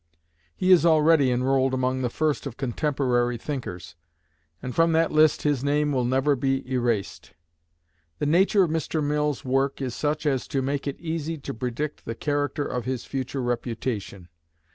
He is already enrolled among the first of contemporary thinkers, and from that list his name will never be erased. The nature of Mr. Mill's work is such as to make it easy to predict the character of his future reputation.